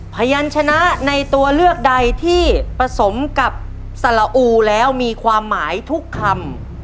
พยานชนะในตัวเลือกใดที่ผสมกับสละอูแล้วมีความหมายทุกคำ